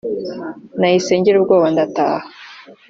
nahise ngira ubwoba ndataha